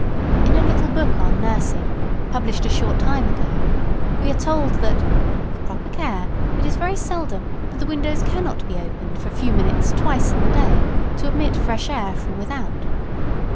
In a little book on nursing, published a short time ago, we are told, that, "with proper care it is very seldom that the windows cannot be opened for a few minutes twice in the day to admit fresh air from without."